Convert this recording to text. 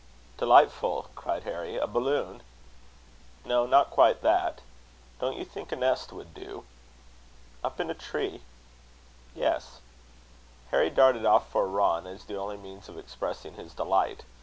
"Delightful!" cried Harry. "A balloon?" "No, not quite that. Don't you think a nest would do?" "Up in a tree?" "Yes." Harry darted off for a run, as the only means of expressing his delight.